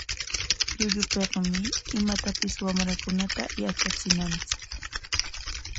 Llullupikmi imatapis wamrakunata yatrachinanchik.